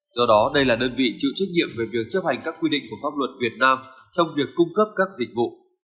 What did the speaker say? do đó đây là đơn vị chịu trách nhiệm về việc chấp hành các quy định của pháp luật việt nam trong việc cung cấp các dịch vụ